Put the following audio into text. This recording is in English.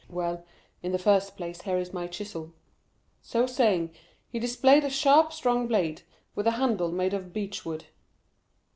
"Well, in the first place, here is my chisel." So saying, he displayed a sharp strong blade, with a handle made of beechwood.